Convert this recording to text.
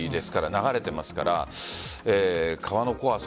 流れてますから川の怖さ。